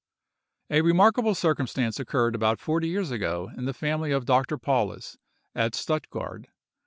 A remarkable circumstance occurred about forty years ago, in the family of Dr. Paulus, at Stuttgard.